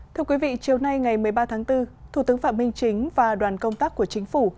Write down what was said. thưa quý vị chiều nay ngày một mươi ba tháng bốn thủ tướng phạm minh chính và đoàn công tác của chính phủ